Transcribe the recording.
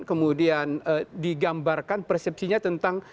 kemudian digambarkan persepsinya tentang